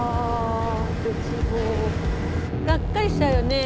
がっかりしちゃうよねえ。